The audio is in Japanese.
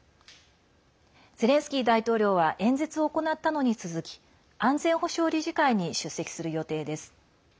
ゼレンスキー大統領は演説を行ったのに続き安全保障理事会に出席する予定です。